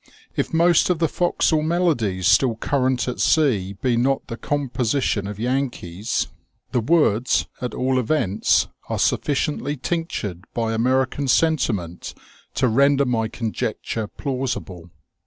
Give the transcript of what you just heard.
If most of the forecastle melodies still current at sea be not the compo* 230 THE OLD NAVAL SEA^SONG. sition of Yankees, the words, at all events, are suflS ciently tinctured by American sentiment to render my conjecture plausible.